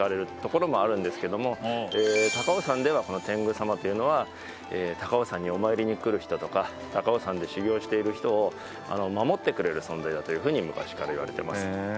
高尾山では天狗様というのは高尾山にお参りに来る人とか高尾山で修行している人を守ってくれる存在だというふうに昔からいわれてます。